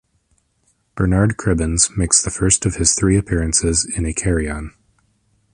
Bernard Cribbins makes the first of his three appearances in a Carry On.